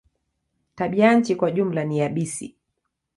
Tabianchi kwa jumla ni yabisi.